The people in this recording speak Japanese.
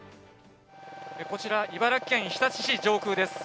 こちら、茨城県日立市上空です。